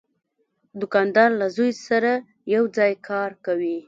دوکاندار له زوی سره یو ځای کار کوي.